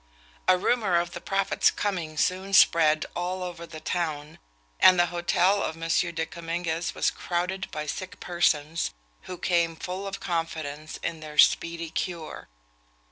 "A rumour of the prophet's coming soon spread all over the town, and the hotel of M. de Comminges was crowded by sick persons, who came full of confidence in their speedy cure.